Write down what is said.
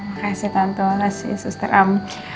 makasih tante mbak jessy suster am